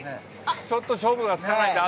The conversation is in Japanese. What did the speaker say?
ちょっと勝負がつかないので。